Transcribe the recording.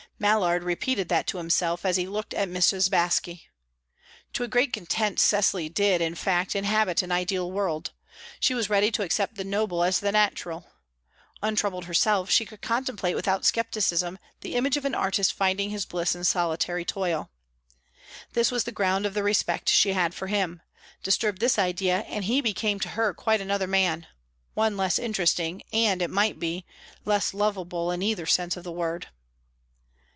Mallard repeated that to himself as he looked at Mrs. Baske. To a great extent Cecily did, in fact, inhabit an ideal world. She was ready to accept the noble as the natural. Untroubled herself, she could contemplate without scepticism the image of an artist finding his bliss in solitary toil. This was the ground of the respect she had for him; disturb this idea, and he became to her quite another man one less interesting, and, it might be, less lovable in either sense of the word.